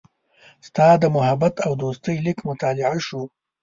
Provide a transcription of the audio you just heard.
ستا د محبت او دوستۍ لیک مطالعه شو.